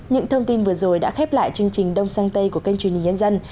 những thông tin vừa rồi đã khép lại chương trình đông sang tây của kênh truyền hình nhân dân